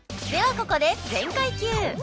ここで全開 Ｑ！